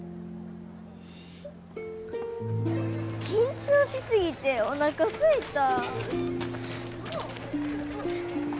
緊張し過ぎておなかすいた。